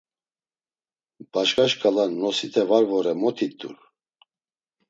Başka şǩala “Nosite var vore.” mot it̆ur.